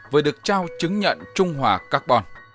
vừa được trao chứng nhận trung hòa carbon